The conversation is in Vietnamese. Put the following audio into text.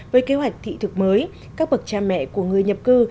với kế hoạch thị thực mới các bậc cha mẹ của người nhập cư